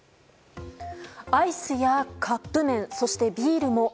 アイスやカップ麺そして、ビールも。